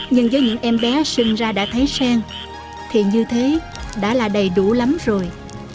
nhưng với những em bé sinh ra đã thấy sen thì như thế đã là đầy đủ lắm rồi